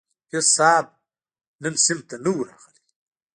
حافظ صاحب نه صنف ته نه وو راغلى.